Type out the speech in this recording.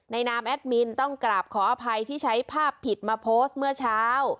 นามแอดมินต้องกราบขออภัยที่ใช้ภาพผิดมาโพสต์เมื่อเช้า